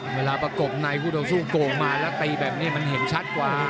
ประกบในคู่ต่อสู้โก่งมาแล้วตีแบบนี้มันเห็นชัดกว่า